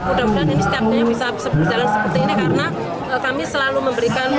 mudah mudahan ini setiap daya bisa berjalan seperti ini karena kami selalu memberikan